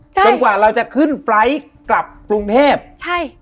ใช่จนกว่าเราจะขึ้นไฟล์ทกลับกรุงเทพใช่